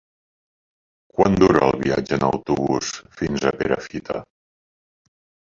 Quant dura el viatge en autobús fins a Perafita?